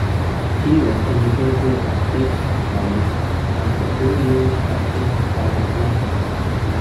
He was educated at Eton College, and for two years at King's College London.